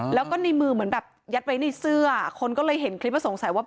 แล้วก็ในมือเหมือนแบบยัดไว้ในเสื้อคนก็เลยเห็นคลิปแล้วสงสัยว่า